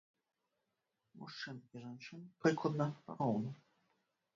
Мужчын і жанчын прыкладна пароўну.